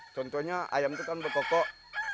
contohnya ayam itu kan berkokok